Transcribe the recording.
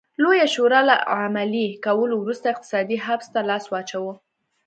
لویې شورا له عملي کولو وروسته اقتصادي حبس ته لاس واچاوه.